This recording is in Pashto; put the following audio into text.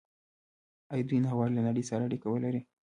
آیا دوی نه غواړي له نړۍ سره اړیکه ولري؟